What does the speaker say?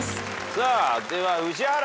さあでは宇治原。